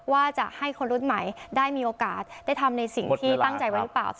ว่าจะให้คนรุ่นใหม่ได้มีโอกาสได้ทำในสิ่งที่ตั้งใจไว้หรือเปล่า